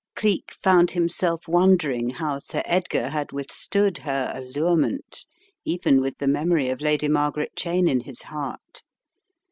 Cleek found himself wondering how Sir Edgar had withstood her allurement, even with the memory of Lady Margaret Cheyne in his heart.